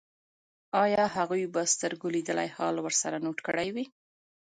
ایا هغوی به سترګو لیدلی حال ورسره نوټ کړی وي